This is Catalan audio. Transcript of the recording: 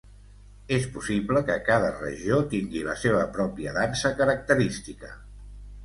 És possible que cada regió tingui la seva pròpia dansa característica.